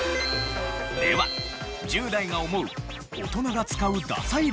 では１０代が思う大人が使うダサい